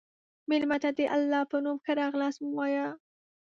مېلمه ته د الله په نوم ښه راغلاست ووایه.